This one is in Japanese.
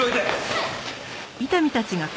はい！